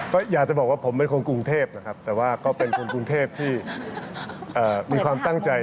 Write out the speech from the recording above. ก็อยากจะบอกว่าผมเป็นคนกรุงเทพนะครับแต่ว่าก็เป็นคนกรุงเทพที่มีความตั้งใจ